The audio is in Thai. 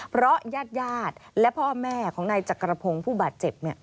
เพราะญาติและพ่อแม่ของนายจักรพงศ์ผู้บาดเจ็บ